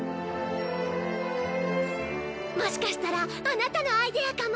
もしかしたらあなたのアイデアかも。